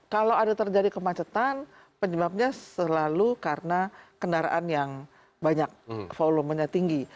kalau ada terjadi kemacetan penyebabnya selalu karena kendaraan yang banyak volumenya tinggi